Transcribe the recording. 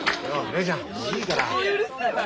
姉ちゃんもういいから。